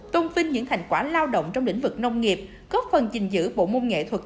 tôn vinh những thành quả lao động trong lĩnh vực nông nghiệp góp phần gìn giữ bộ môn nghệ thuật